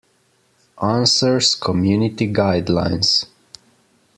Answers community guidelines.